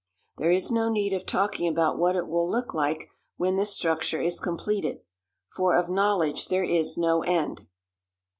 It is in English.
There is no need of talking about what it will look like when this structure is completed, for of knowledge there is no end.